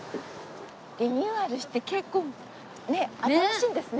リニューアルして結構新しいんですね。